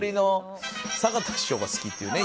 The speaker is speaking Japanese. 坂田師匠が好きっていうね